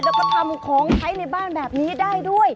แล้วก็ทำของใช้ในบ้านแบบนี้ได้ด้วย